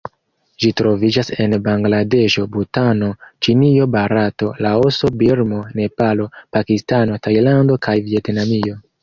Ĝi troviĝas en Bangladeŝo, Butano, Ĉinio, Barato, Laoso, Birmo, Nepalo, Pakistano, Tajlando kaj Vjetnamio.